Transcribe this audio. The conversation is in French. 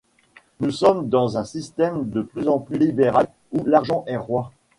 Nous sommes dans un système de plus en plus libéral où l'argent est roi.